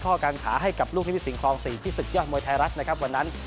การขาให้กับลูกนิมิสิงคลอง๔ที่ศึกยอดมวยไทยรัฐนะครับวันนั้น